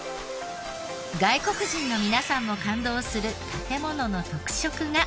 外国人の皆さんも感動する建ものの特色が。